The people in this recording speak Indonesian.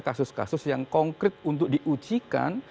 kasus kasus yang konkret untuk diujikan